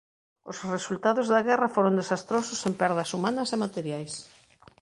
Os resultados da guerra foron desastrosos en perdas humanas e materiais.